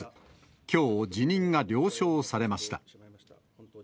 きょう、辞任が了承されました。